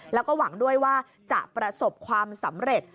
แล้วก็หวังด้วยว่าจะประสบความสำเร็จ